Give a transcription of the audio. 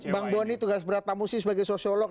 bang boni tugas berat tamu sih sebagai sosiolog